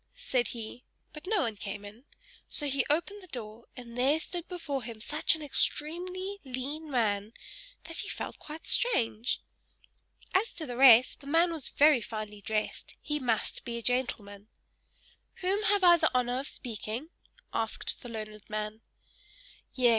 said he; but no one came in; so he opened the door, and there stood before him such an extremely lean man, that he felt quite strange. As to the rest, the man was very finely dressed he must be a gentleman. "Whom have I the honor of speaking?" asked the learned man. "Yes!